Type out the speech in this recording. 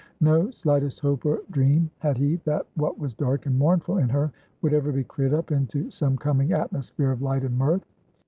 No slightest hope or dream had he, that what was dark and mournful in her would ever be cleared up into some coming atmosphere of light and mirth.